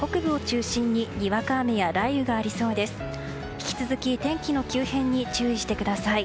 引き続き天気の急変に注意してください。